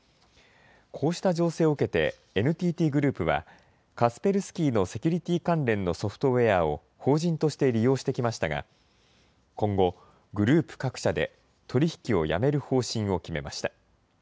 こうした情勢を受けて、ＮＴＴグループは、カスペルスキーのセキュリティー関連のソフトウエアを法人として利用してきましたが、今後、グループ各社で取り引きをやめる方針を決めました。